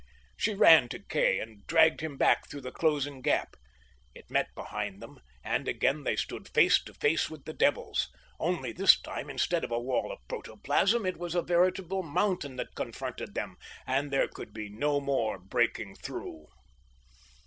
She ran to Kay and dragged him back through the closing gap. It met behind them, and again they stood face to face with the devils. Only this time, instead of a wall of protoplasm, it was a veritable mountain that confronted them, and there could be no more breaking through.